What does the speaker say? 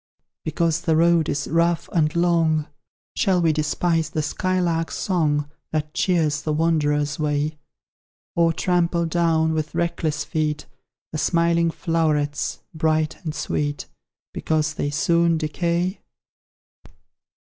Because the road is rough and long, Shall we despise the skylark's song, That cheers the wanderer's way? Or trample down, with reckless feet, The smiling flowerets, bright and sweet, Because they soon decay?